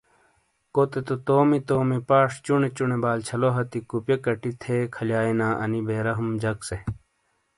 کوتے تو تومی تومی پاش چونے چونے بالچھلو ہتھی کوپئے کٹی تھے کھلیانا ان بےرحم جک سے۔